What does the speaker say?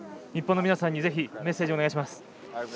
日本の皆さんにメッセージをお願いします。